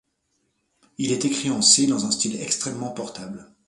Il est écrit en C dans un style extrêmement portable.